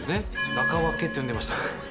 中分けって呼んでました。